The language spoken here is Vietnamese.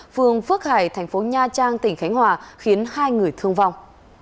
phường phước hải thành phố nha trang tỉnh khánh hòa khiến hai người thương vong